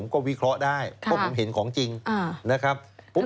ก็วิเคราะห์ได้นะครับ